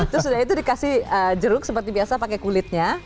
terus sudah itu dikasih jeruk seperti biasa pakai kulitnya